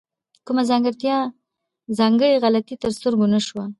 کومه ځانګړې غلطي تر سترګو نه شوه.